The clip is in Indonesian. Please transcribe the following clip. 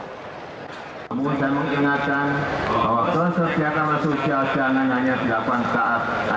saya ingin mengingatkan bahwa kesetiakawanan sosial